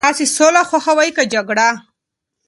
تاسي سوله خوښوئ که جګړه؟